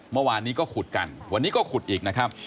เมื่อวานนี้ก็ขุดกันวันนี้ก็ขุดอีกนะครับ